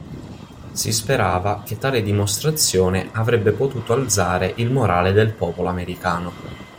Si sperava che tale dimostrazione avrebbe potuto alzare il morale del popolo americano.